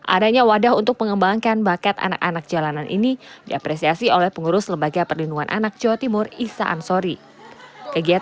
adanya wadah untuk mengembangkan bakat anak anak jalanan ini diapresiasi oleh pengurus lembaga perlindungan anak jawa timur isa ansori